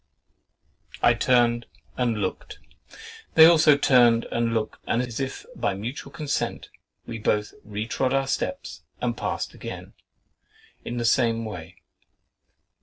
I turned and looked—they also turned and looked and as if by mutual consent, we both retrod our steps and passed again, in the same way.